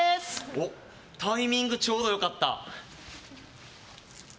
おっタイミングちょうどよかった。